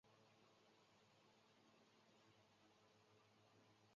黑水党的首领是徐保。